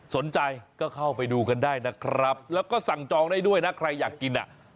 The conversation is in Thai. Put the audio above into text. สนใจก็เข้าไปดูกันได้นะครับแล้วก็สั่งจองได้ด้วยนะใครอยากกินอ่ะ